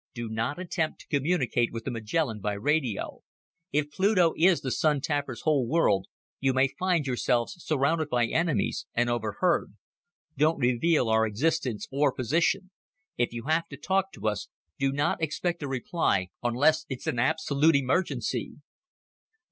"Do not attempt to communicate with the Magellan by radio. If Pluto is the Sun tappers' home world, you may find yourselves surrounded by enemies, and overheard. Don't reveal our existence or position. If you have to talk to us, do not expect a reply unless it's an absolute emergency."